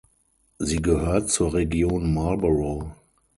Sie gehört zur Region Marlborough.